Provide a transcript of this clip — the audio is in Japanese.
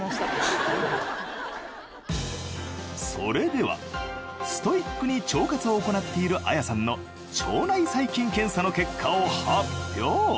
それではストイックに腸活を行っているＡＹＡさんの腸内細菌検査の結果を発表